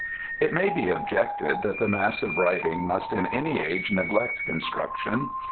It may be objected that the mass of writing must in any age neglect construction.